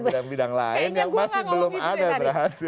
bidang bidang lain yang masih belum ada berhasil